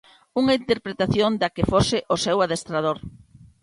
Unha interpretación da que foxe o seu adestrador.